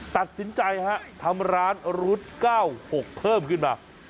ตัดสินใจฮะทำร้านรุด๙๖เพิ่มขึ้นมา